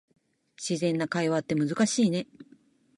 自然な会話って難しいね